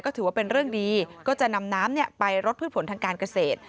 ถือว่าเป็นเรื่องดีก็จะนำน้ำไปรดพืชผลทางการเกษตร